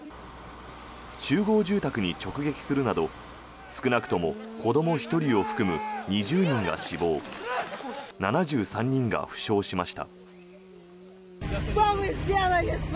集合住宅に直撃するなど少なくとも子ども１人を含む２０人が死亡７３人が負傷しました。